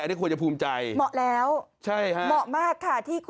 อันนี้ควรจะภูมิใจ